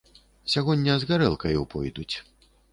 Сягоння з гарэлкаю пойдуць.